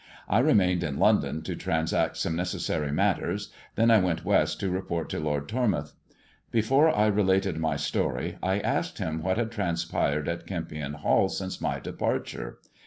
I remained in London to transact some necessary matters, then I went West to report to Lord Tormouth. Before I related my story I asked him what had transpired at Kempion Hall since my departure.